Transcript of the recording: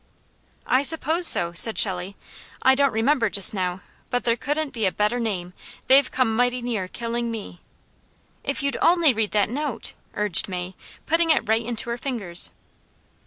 "I suppose so," said Shelley. "I don't remember just now; but there couldn't be a better name. They've come mighty near killing me." "If you'd only read that note!" urged May, putting it right into her fingers.